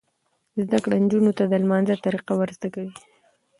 زده کړه نجونو ته د لمانځه طریقه ور زده کوي.